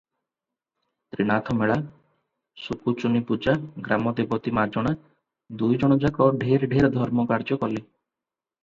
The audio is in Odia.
ତ୍ରିନାଥମେଳା, ସୁକୁଚୂନିପୂଜା, ଗ୍ରାମଦେବତୀ ମାଜଣା, ଦୁଇଜଣଯାକ ଢେର ଢେର ଧର୍ମ କାର୍ଯ୍ୟ କଲେ ।